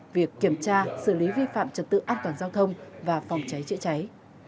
việc kiểm tra xử lý vi phạm trật tự an toàn giao thông và phòng cháy chữa cháy